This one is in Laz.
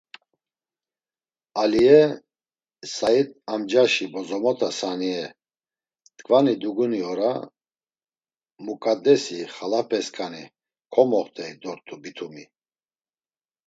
Aliye, Sayit Amcaşi bozomota Saniye, t̆ǩvani duguni ora, Muǩadesi, xalapesǩani, komext̆ey dort̆u bitumi.